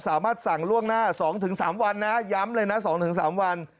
สามารถสั่งล่วงหน้า๒๓วันนะย้ำเลยนะ๒๓วัน